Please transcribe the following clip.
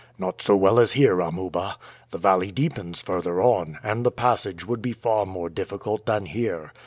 "Not so well as here, Amuba; the valley deepens further on, and the passage would be far more difficult than here.